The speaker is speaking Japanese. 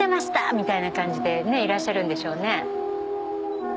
みたいな感じでいらっしゃるんでしょうね。